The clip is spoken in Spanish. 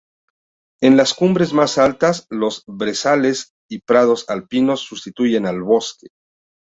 En las cumbres más altas, los brezales y prados alpinos sustituyen al bosque.